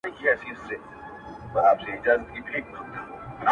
o د خواري کونډي زويه، خپلي روټۍ ژويه٫.